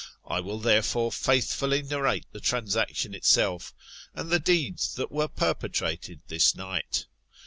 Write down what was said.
I will therefore faithfully narrate the transaction itself, and the deeds that were perpetrated this night.